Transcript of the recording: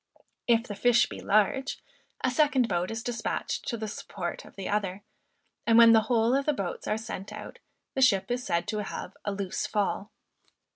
If the fish be large, a second boat is despatched to the support of the other; and when the whole of the boats are sent out, the ship is said to have "a loose fall."